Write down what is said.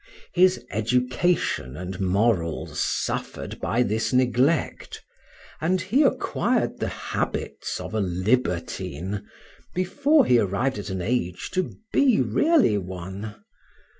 His education and morals suffered by this neglect, and he acquired the habits of a libertine before he arrived at an age to be really one.